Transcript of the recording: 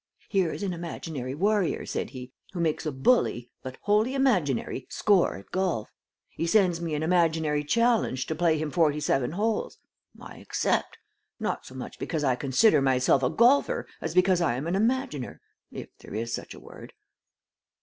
Here is an imaginary warrior, said he, who makes a bully, but wholly imaginary, score at golf. He sends me an imaginary challenge to play him forty seven holes. I accept, not so much because I consider myself a golfer as because I am an imaginer if there is such a word."